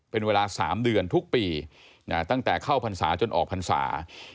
เป็นเวลา๓เดือนทุกปีตั้งแต่เข้าพรรษาจนออกพรรษา